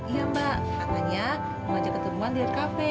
iya mbak katanya mau ajak ketemuan di cafe